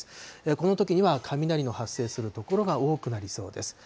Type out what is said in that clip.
このときには雷の発生する所が多くなりそうです。